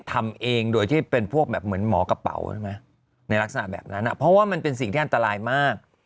ทำเองโดยที่เป็นพวกแบบเหมือนหมอกระเป๋าใช่ไหมในลักษณะแบบนั้นเพราะว่ามันเป็นสิ่งที่อันตรายมาก